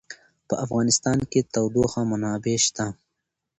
په افغانستان کې د تودوخه منابع شته.